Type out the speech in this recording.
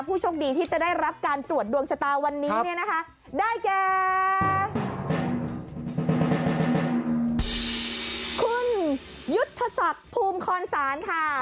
ผู้โชคดีที่จะได้รับการตรวจดวงชะตาวันนี้นะคะได้แกคุณยุทธศัพท์ภูมิคอนสารค่ะ